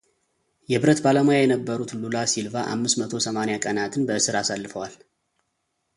የብረት ባለሙያ የነበሩት ሉላ ሲልቫ አምስት መቶ ሰማኒያ ቀናትን በእስር አሰልፈዋል።